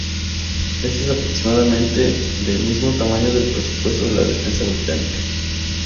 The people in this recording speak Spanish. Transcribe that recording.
Esto es aproximadamente del mismo tamaño del presupuesto de la defensa británica.